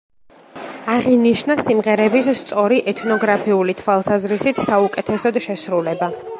აღინიშნა სიმღერების სწორი, ეთნოგრაფიული თვალსაზრისით საუკეთესოდ შესრულება.